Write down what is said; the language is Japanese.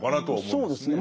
そうですね。